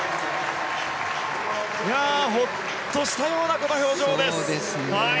ほっとしたようなこの表情です。